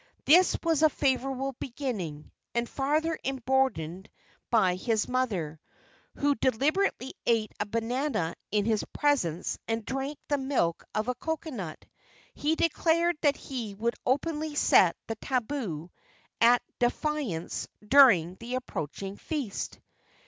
This was a favorable beginning, and, farther emboldened by his mother, who deliberately ate a banana in his presence and drank the milk of a cocoanut, he declared that he would openly set the tabu at defiance during the approaching feast.